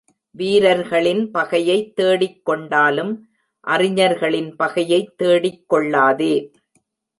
வீரர்களின் பகையைத் தேடிக்கொண்டாலும் அறிஞர்களின் பகையைத் தேடிக்கொள்ளாதே.